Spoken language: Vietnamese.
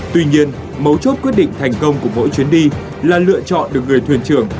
tuy nhiên mấu chốt quyết định thành công của mỗi chuyến đi là lựa chọn được người thuyền trưởng